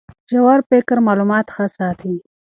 ژور فکر معلومات ښه ساتي.